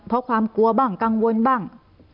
เพราะความกลัวบ้างกังวลบ้าง